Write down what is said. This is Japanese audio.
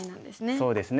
そうですね。